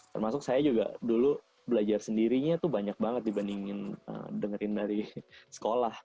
termasuk saya juga dulu belajar sendirinya tuh banyak banget dibandingin dengerin dari sekolah